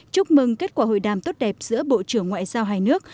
chúc mừng kết quả hội đàm tốt đẹp giữa bộ trưởng ngoại giao hai nước